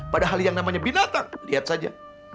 padahal yang namanya binatang lihat saja